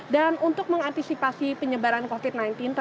dan untuk mengantisipasi penyebaran covid sembilan belas